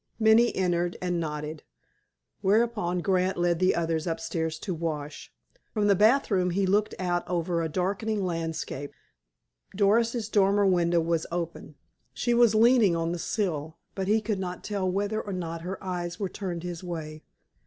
Minnie entered, and nodded, whereupon Grant led the others upstairs to wash. From the bathroom he looked out over a darkening landscape. Doris's dormer window was open. She was leaning on the sill, but he could not tell whether or not her eyes were turned his way.